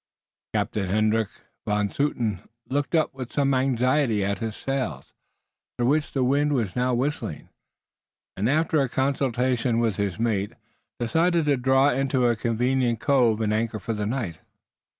Captain Hendrick Van Zouten looked up with some anxiety at his sails, through which the wind was now whistling, and, after a consultation with his mate, decided to draw into a convenient cove and anchor for the night.